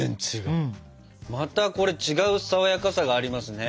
またこれ違う爽やかさがありますね。